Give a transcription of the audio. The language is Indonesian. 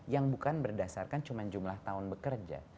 yang bukan berdasarkan cuma jumlah tahun bekerja